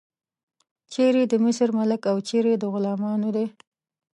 چیرې د مصر ملک او چیرې د غلامانو دی.